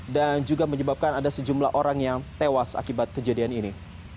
dan juga menyebabkan ada sejumlah orang yang tewas akibat kejadian ini